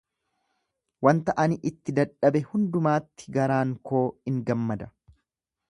wanta ani itti dadhabe hundumaatti garaan koo in gammada,